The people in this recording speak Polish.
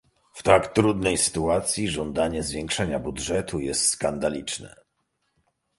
W tak trudnej sytuacji żądanie zwiększenia budżetu jest skandaliczne